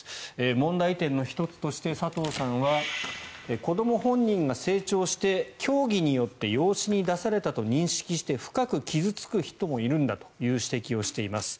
問題点の１つとして佐藤さんは子ども本人が成長して教義によって養子に出されたと認識して深く傷付く人もいるんだという指摘をしています。